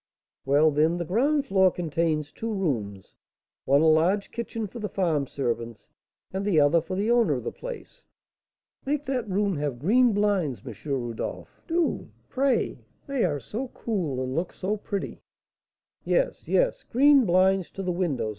"Well, then, the ground floor contains two rooms; one, a large kitchen for the farm servants, and the other for the owner of the place." "Make that room have green blinds, M. Rodolph, do, pray; they are so cool, and look so pretty!" "Yes, yes, green blinds to the windows.